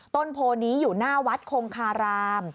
ต้นโพนี้อยู่หน้าวัดคงคาราม